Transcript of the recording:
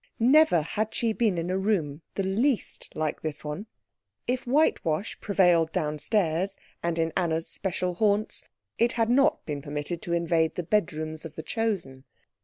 Never had she been in a room the least like this one. If whitewash prevailed downstairs, and in Anna's special haunts, it had not been permitted to invade the bedrooms of the Chosen.